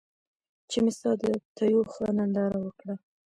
چې مې ستا د تېو ښه ننداره وکــړه